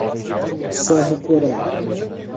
Cerro Corá